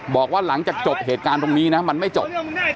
บอกว่าหลังจากจบเหตุการณ์ตรงนี้นะมันไม่จบ